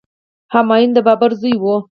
همایون د بابر زوی و.